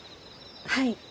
はい。